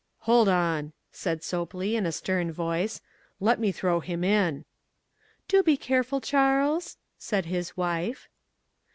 "Hold on," said Sopley in a stern tone, "let me throw him in." "Do be careful, Charles," said his wife.